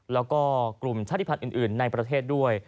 แล้วก็กลุ่มชาติภัณฑ์อื่นในประเทศด้วย